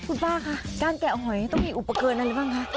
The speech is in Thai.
คุณป้าคะการแกะหอยต้องมีอุปเกินนั่นหรือเปล่าคะ